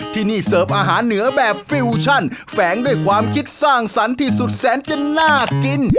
ที่นี่เสิร์ฟอาหารเหนือแบบฟิวชั่นแฝงด้วยความคิดสร้างสรรค์ที่สุดแสนจะน่ากิน